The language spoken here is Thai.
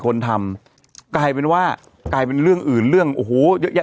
คนทำกลายเป็นว่ากลายเป็นเรื่องอื่นเรื่องโอ้โหเยอะแยะ